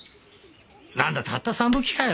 なんだたった３どきかよ